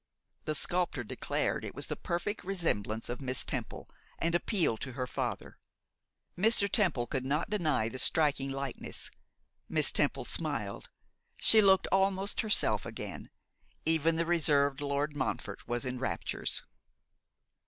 The sculptor declared it was the perfect resemblance of Miss Temple, and appealed to her father. Mr. Temple could not deny the striking likeness. Miss Temple smiled; she looked almost herself again; even the reserved Lord Montfort was in raptures.